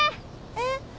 えっ？